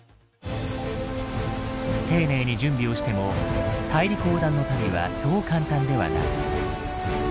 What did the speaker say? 丁寧に準備をしても大陸横断の旅はそう簡単ではない。